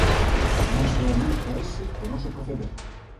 Non será nunca ese o noso proceder.